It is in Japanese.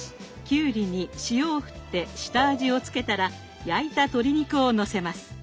きゅうりに塩を振って下味をつけたら焼いた鶏肉をのせます。